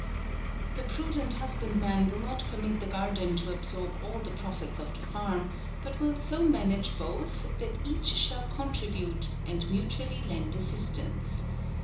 The prudent husbandman will not permit the garden to absorb all the profits of the farm, but will so manage both, that each shall contribute, and mutually lend assistance.